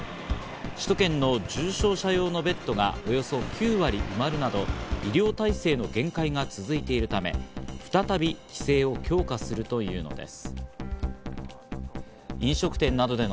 首都圏の重症者用のベッドがおよそ９割埋まるなど、医療体制の限界が続いているため、再び規制を強化するというのです。